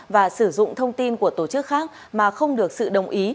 và sử dụng thông tin của tổ chức khác mà không được sự đồng ý